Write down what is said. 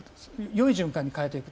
よい循環に変えていく。